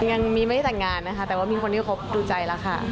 ยังไม่ได้แต่งงานนะคะแต่ว่ามีคนที่คบดูใจแล้วค่ะ